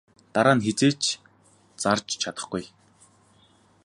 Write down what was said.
Дараа нь хэзээ ч зарж чадахгүй.